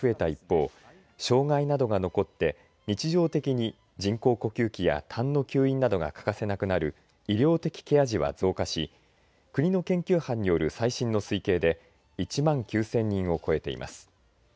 一方障害などが残って日常的に人工呼吸器やたんの吸引などが欠かせなくなる医療的ケア児は増加し国の研究班による最新の推計で１万９０００人を超えています。